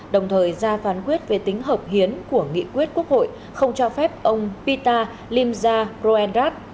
đồng thời ra phán quyết về tính hợp hiến của nghị quyết quốc hội không cho phép ông pita limza roenrat